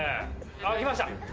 あっ来ました。